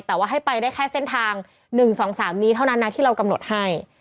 แต่ว่าให้ไปได้แค่เส้นทาง๑๒๓นี้เท่านั้นนะที่เรากำหนดให้